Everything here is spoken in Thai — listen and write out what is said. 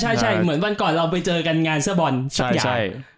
ใช่เหมือนวันก่อนเราไปเจอกันงานเสื้อบอลสักอย่าง